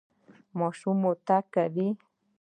ماشوم مو تګ کوي؟